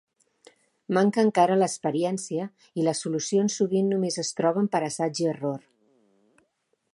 Manca encara l'experiència i les solucions sovint només es troben per assaig i error.